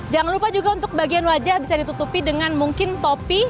jangan lupa juga untuk bagian wajah bisa ditutupi dengan mungkin topi